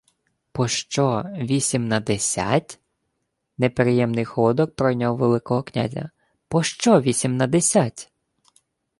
— Пощо... вісімнадесять? — неприємний холодок пойняв Великого князя. — Пощо вісімнадесять?..